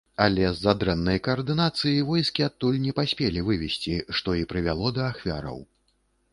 Але з-за дрэннай каардынацыі войскі адтуль не паспелі вывесці, што і прывяло да ахвяраў.